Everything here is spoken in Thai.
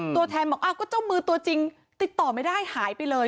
ตัวแทนบอกอ้าวก็เจ้ามือตัวจริงติดต่อไม่ได้หายไปเลย